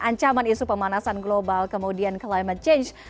ancaman isu pemanasan global kemudian climate change